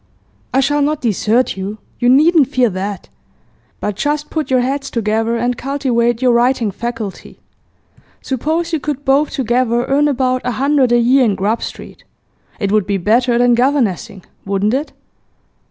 I shall not desert you; you needn't fear that. But just put your heads together, and cultivate your writing faculty. Suppose you could both together earn about a hundred a year in Grub Street, it would be better than governessing; wouldn't it?